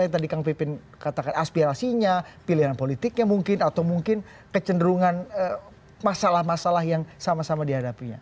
jadi kang pipin katakan aspirasinya pilihan politiknya mungkin atau mungkin kecenderungan masalah masalah yang sama sama dihadapinya